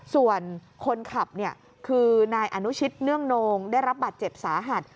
ส่วนคนขับคือนายอนุชิตเนื่องโนงได้รับบาดเจ็บสาหัส